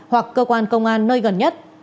hoặc cơ quan công an nơi gần nhất